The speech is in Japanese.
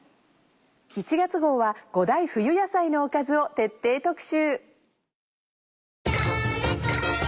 １月号は５大冬野菜のおかずを徹底特集。